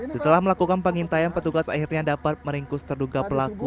setelah melakukan pengintaian petugas akhirnya dapat meringkus terduga pelaku